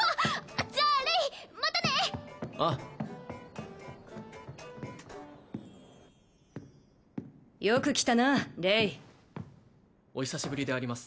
じゃあレイまたね！ああよく来たなレイお久しぶりであります